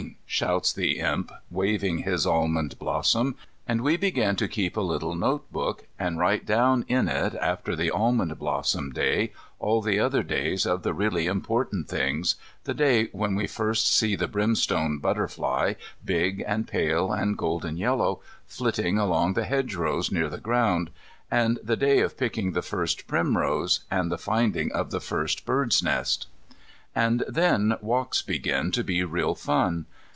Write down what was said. shouts the Imp, waving his almond blossoms, and we begin to keep a little note book, and write down in it after the almond blossom day all the other days of the really important things, the day when we first see the brimstone butterfly, big and pale and golden yellow, flitting along the hedgerow near the ground, and the day of picking the first primrose and the finding of the first bird's nest. And then walks begin to be real fun.